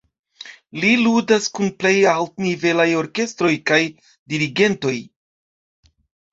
Li ludas kun plej altnivelaj orkestroj kaj dirigentoj.